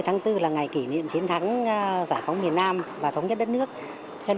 ba mươi tháng bốn là ngày kỷ niệm chiến thắng giải phóng miền nam và thống nhất đất nước